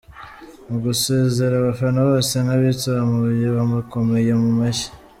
Mu gusezera abafana, bose nk’abitsamuye bamukomeye mu mashyi.